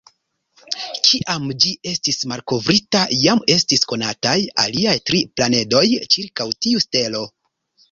Kiam ĝi estis malkovrita, jam estis konataj aliaj tri planedoj ĉirkaŭ tiu stelo.